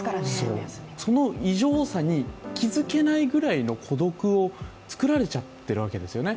その異常さに気づけないぐらいの孤独を作られちゃっているわけですよね。